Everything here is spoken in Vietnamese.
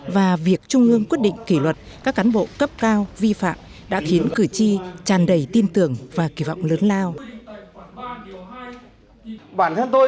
và việc trung ương quyết định kỷ luật các cán bộ cấp cao vi phạm đã khiến cử tri tràn đầy tin tưởng và kỳ vọng lớn lao